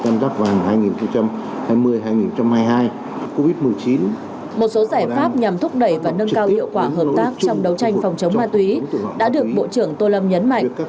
một số giải pháp nhằm thúc đẩy và nâng cao hiệu quả hợp tác trong đấu tranh phòng chống ma túy đã được bộ trưởng tô lâm nhấn mạnh